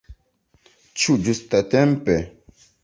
Ĉu ĝustatempe?